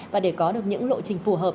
và để có được những lộ trình phù hợp